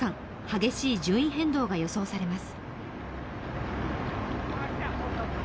激しい順位変動が予想されます。